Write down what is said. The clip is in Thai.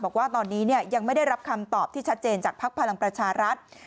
บอกว่าตอนนี้ยังไม่ได้รับคำตอบที่ชัดเจนจากภักดิ์พลังประชารัฐ